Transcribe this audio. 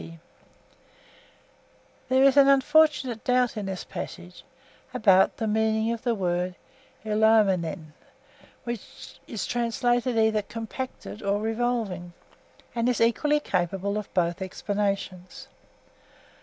There is an unfortunate doubt in this passage (1) about the meaning of the word (Greek), which is translated either 'compacted' or 'revolving,' and is equally capable of both explanations.